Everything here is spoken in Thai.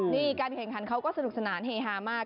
นี่การแข่งขันเขาก็สนุกสนานเฮฮามาก